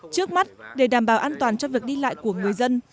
trước mắt để đảm bảo an toàn cho việc đi lại của người dân